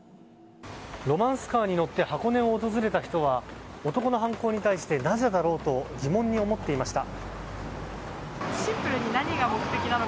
ロマンスカーに乗って箱根を訪れた人は男の犯行に対してなぜだろうと疑問に思っていました。